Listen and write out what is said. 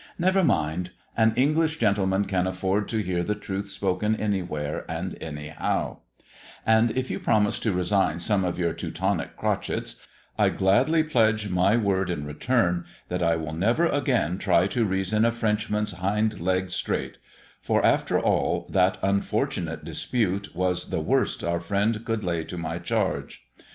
Never mind! an English gentleman can afford to hear the truth spoken anywhere and anyhow; and, if you promise to resign some of your Teutonic crotchets, I gladly pledge my word in return, that I will never again try to reason a Frenchman's hind leg straight; for, after all, that unfortunate dispute was the worst our friend could lay to my charge.